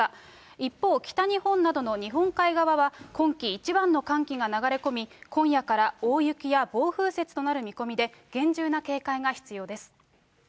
一方、北日本などの日本海側は、今季一番の寒気が流れ込み、今夜から大雪や暴風雪となる見込みで、厳重な警戒が必要です。